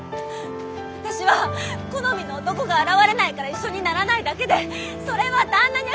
私は好みの男が現れないから一緒にならないだけでそれは旦那にゃ